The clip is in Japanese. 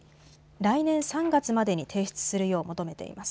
来年３月までに提出するよう求めています。